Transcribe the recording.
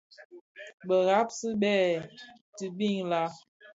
Bëghasi bèè dhitin la?